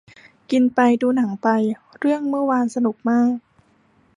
กินไปดูหนังไป เรื่องเมื่อวานสนุกมาก